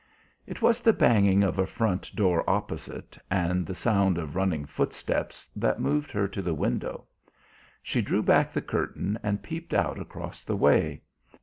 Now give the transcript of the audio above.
It was the banging of a front door opposite and the sound of running footsteps that moved her to the window. She drew back the curtain and peeped out across the way.